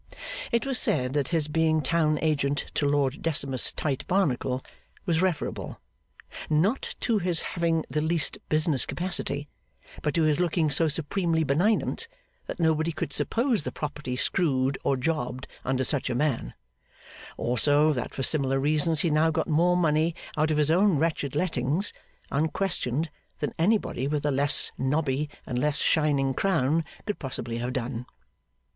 It was said that his being town agent to Lord Decimus Tite Barnacle was referable, not to his having the least business capacity, but to his looking so supremely benignant that nobody could suppose the property screwed or jobbed under such a man; also, that for similar reasons he now got more money out of his own wretched lettings, unquestioned, than anybody with a less nobby and less shining crown could possibly have done.